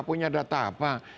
punya data apa